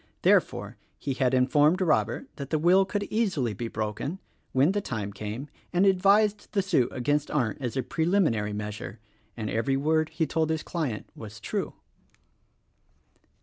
Therefore he had informed Robert that the will could easily be broken, when the time came, and advised the suit against Arndt as a preliminary measure: and every word he told his client was true.